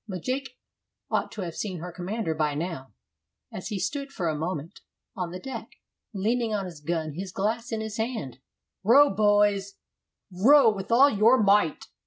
Majke ought to have seen her commander now, as he stood for a moment on the deck, leaning on his gun, his glass in his hand. "Row, boys, row with all your might!